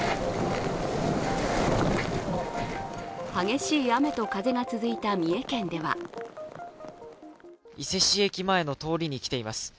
激しい雨と風が続いた三重県では伊勢市駅前の通りに来ています。